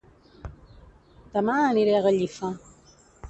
Dema aniré a Gallifa